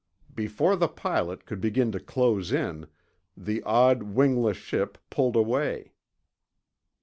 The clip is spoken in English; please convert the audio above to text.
Before the pilot could begin to close in, the odd wingless ship pulled away.